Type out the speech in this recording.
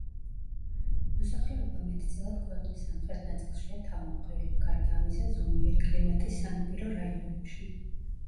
მოსახლეობა მეტწილად ქვეყნის სამხრეთ ნაწილშია თავმოყრილი, გარდა ამისა ზომიერი კლიმატის სანაპირო რაიონებში.